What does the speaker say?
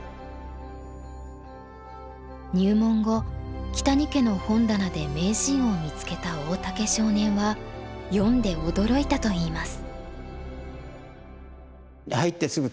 入門後木谷家の本棚で「名人」を見つけた大竹少年は読んで驚いたといいます。